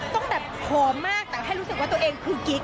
ตั้งแต่ผอมมากแต่แค่รู้สึกว่าตัวเองคือกิ๊ก